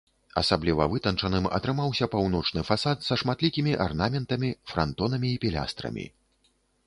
Асабліва вытанчаным атрымаўся паўночны фасад са шматлікімі арнаментамі, франтонамі і пілястрамі.